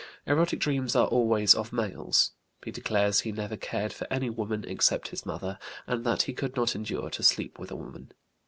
Erotic dreams are always of males. He declares he never cared for any woman except his mother, and that he could not endure to sleep with a woman.